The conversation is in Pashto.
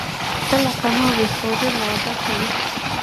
ته لکه ناوۍ، ښاري لعبته وې